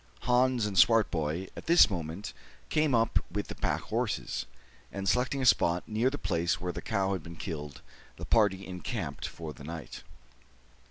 Hans and Swartboy at this moment came up with the pack horses; and, selecting a spot near the place where the cow had been killed, the party encamped for the night.